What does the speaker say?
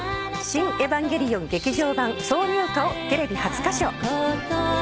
『シン・エヴァンゲリオン劇場版』挿入歌をテレビ初歌唱。